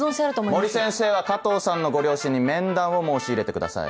森先生は加藤さんのご両親に面談を申し入れてください。